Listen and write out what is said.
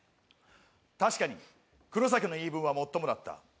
確かにクロサキの言い分はもっともだった。